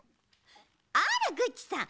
あらグッチさん